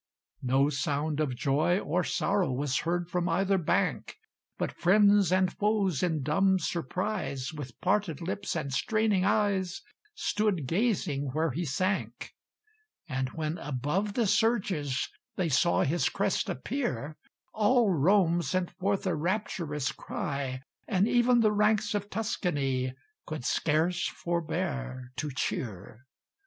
No sound of joy or sorrow Was heard from either bank; But friends and foes in dumb surprise, With parted lips and straining eyes, Stood gazing where he sank; And when above the surges They saw his crest appear, All Rome sent forth a rapturous cry, And even the ranks of Tuscany Could scarce forbear to cheer.